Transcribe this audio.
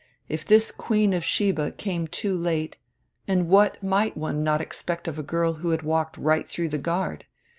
If this Queen of Sheba came too late and what might one not expect of a girl who had walked right through the guard?